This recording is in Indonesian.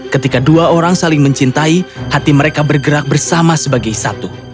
ketika dua orang saling mencintai hati mereka bergerak bersama sebagai satu